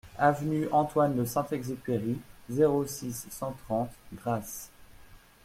Avenue Antoine de Saint-Exupéry, zéro six, cent trente Grasse